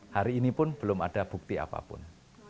hari ini pun belum ada bukti apapun